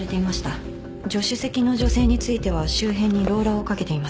助手席の女性については周辺にローラーをかけています。